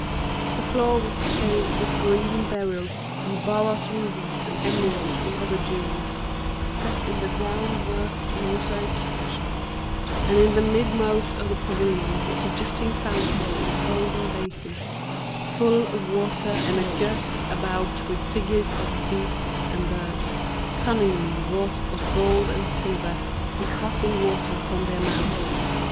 The floor was paved with green beryl and balas rubies and emeralds and other jewels, set in the ground work mosaic fashion, and in the midmost of the pavilion was a jetting fountain in a golden basin, full of water and girt about with figures of beasts and birds, cunningly wrought of gold and silver and casting water from their mouths.